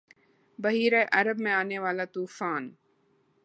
بحیرہ عرب میں آنے والا ’طوفان